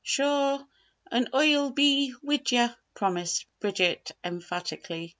"Shure, an' Oi'll be wid'ye," promised Bridget, emphatically.